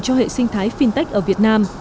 cho hệ sinh thái fintech ở việt nam